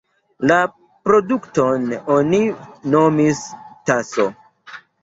La produkton oni nomis "taso".